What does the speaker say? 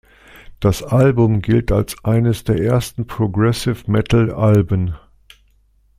Das Album gilt als eines der ersten Progressive-Metal-Alben.